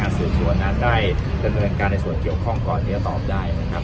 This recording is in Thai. การสื่อส่วนนั้นได้กระเนินการในส่วนเกี่ยวข้องก่อนเนี้ยตอบได้นะครับ